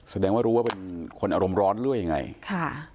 แสดงว่ารู้ว่าเป็นคนอารมณ์ร้อนด้วยอย่างไร